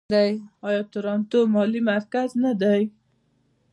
آیا تورنټو یو مالي مرکز نه دی؟